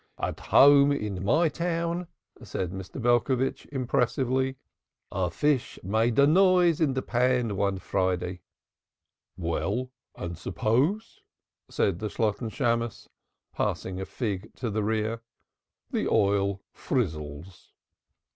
"At home in my town," said Mr. Belcovitch impressively, "a fish made a noise in the pan one Friday." "Well? and suppose?" said the Shalotten Shammos, passing a fig to the rear, "the oil frizzles."